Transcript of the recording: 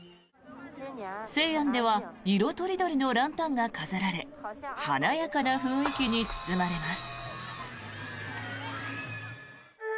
西安では色とりどりのランタンが飾られ華やかな雰囲気に包まれます。